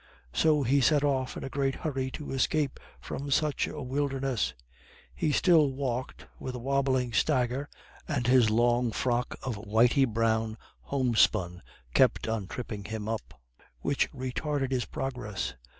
So he set off in a great hurry to escape from such a wilderness. He still walked with a wobbling stagger, and his long frock of whity brown homespun kept on tripping him up, which retarded his progress.